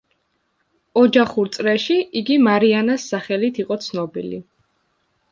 ოჯახურ წრეში იგი „მარიანას“ სახელით იყო ცნობილი.